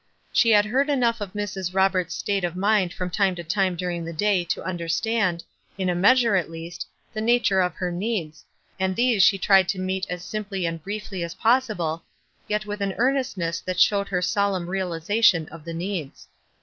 She had heard enough of Mrs. Koberts' state of mind WISE AND OTHERWISE. 277 t om time to time during the day to understand, in a measure at least, the nature of her needs, and these she tried to meet as simply and briefly as possible, yet with an earnestness that showed her solemn realization of the needs.